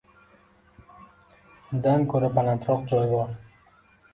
Udan ko’ra balandroq joy bor.